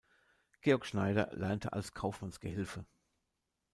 Georg Schneider lernte als Kaufmannsgehilfe.